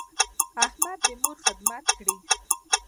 احمد د مور خدمت کړی.